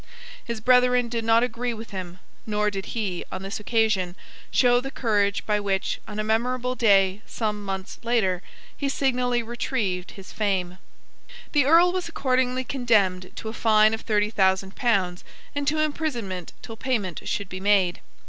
His brethren did not agree with him; nor did he, on this occasion, show the courage by which, on a memorable day some months later, he signally retrieved his fame. The Earl was accordingly condemned to a fine of thirty thousand pounds, and to imprisonment till payment should be made.